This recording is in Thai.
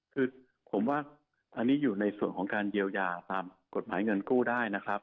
คือผมว่าอันนี้อยู่ในส่วนของการเยียวยาตามกฎหมายเงินกู้ได้นะครับ